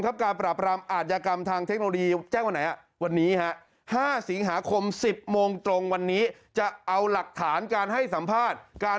การพูดแบบนี้มา